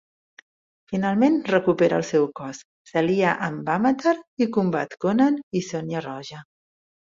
Finalment recupera el seu cos, s'alia amb Vammatar i combat Conan i Sonja Roja.